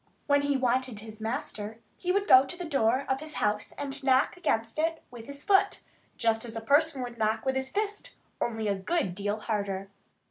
When he wanted his master he would go to the door of his house and knock against it with his foot, just as a person would knock with his fist, only a good deal harder.